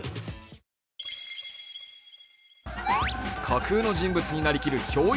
架空の人物になりきるひょう